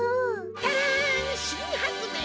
タランしんはつめい！